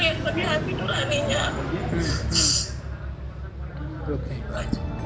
bisa melihat bagian hidup aninya